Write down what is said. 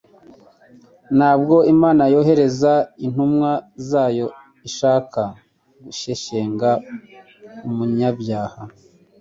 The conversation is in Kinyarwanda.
Ntabwo Imana yohereza intumwa zayo ishaka gushyeshyenga umunyabyaha.